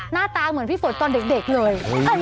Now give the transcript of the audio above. หน้าตาเหมือนพี่ฝนตอนเด็กเลย